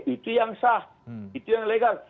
itu yang sah itu yang legal